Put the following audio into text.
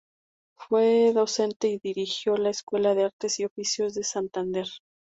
Fue docente y dirigió la Escuela de Artes y Oficios de Santander.